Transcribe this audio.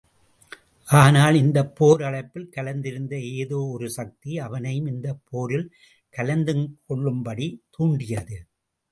ஆனால் இந்தப் போரழைப்பில் கலந்திருந்த ஏதோ ஒரு சக்தி அவனையும் இந்தப் போரில் கலந்து கொள்ளும்படி தூண்டியது.